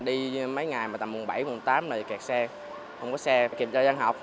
đi mấy ngày mà tầm mùng bảy mùng tám là kẹt xe không có xe kiểm tra giang học